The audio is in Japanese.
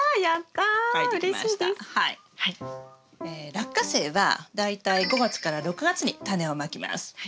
ラッカセイは大体５月から６月にタネをまきます。